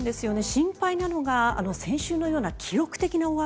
心配なのが先週のような記録的な大雨。